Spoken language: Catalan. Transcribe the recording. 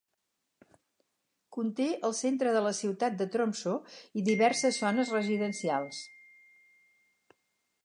Conté el centre de la ciutat de Tromsø i diverses zones residencials.